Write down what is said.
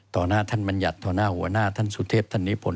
หน้าท่านบัญญัติต่อหน้าหัวหน้าท่านสุเทพท่านนิพนธ